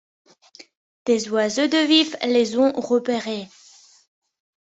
Des oiseaux de Vif les ont repérés.